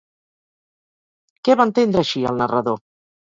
Què va entendre així el narrador?